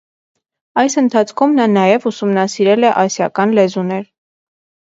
Այս ընթացքում նա նաև ուսումնասիրել է ասիական լեզուներ։